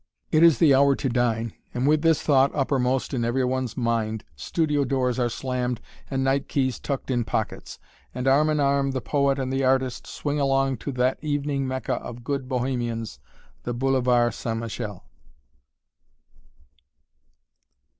It is the hour to dine, and with this thought uppermost in every one's mind studio doors are slammed and night keys tucked in pockets. And arm in arm the poet and the artist swing along to that evening Mecca of good Bohemians the Boulevard St. Michel.